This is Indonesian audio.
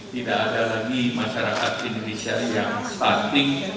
tidak ada lagi masyarakat indonesia yang stunting